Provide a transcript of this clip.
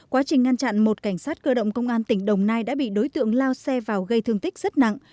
quá trình ngăn chặn một cảnh sát cơ động công an tỉnh đồng nai đã bị đối tượng lao xe vào gây thương tích rất nặng